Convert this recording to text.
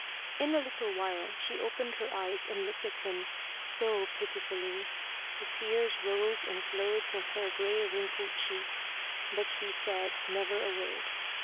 In a little while she opened her eyes and looked at him so pitifully! The tears rose and flowed from her grey wrinkled cheeks, but she said never a word.